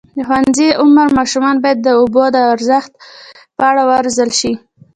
د ښوونځي عمر ماشومان باید د اوبو د ارزښت په اړه وروزل شي.